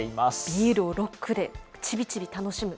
ビールをロックで、ちびちび楽しむ。